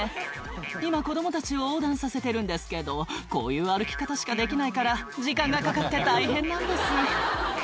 「今子供たちを横断させてるんですけどこういう歩き方しかできないから時間がかかって大変なんです」